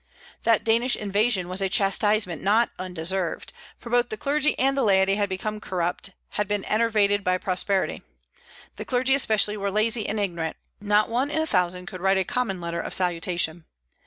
That Danish invasion was a chastisement not undeserved, for both the clergy and the laity had become corrupt, had been enervated by prosperity. The clergy especially were lazy and ignorant; not one in a thousand could write a common letter of salutation.